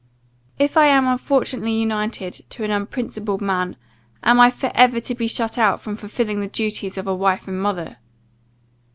If I am unfortunately united to an unprincipled man, am I for ever to be shut out from fulfilling the duties of a wife and mother?